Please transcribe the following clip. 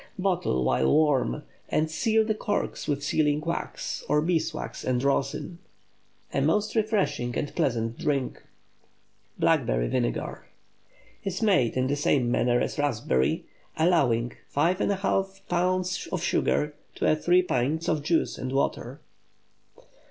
Bottle while warm, and seal the corks with sealing wax, or bees' wax and rosin. A most refreshing and pleasant drink. BLACKBERRY VINEGAR Is made in the same manner as raspberry, allowing 5½ lbs. sugar to 3 pints of juice and water.